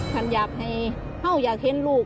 ฉันอยากให้เขาอยากเห็นลูก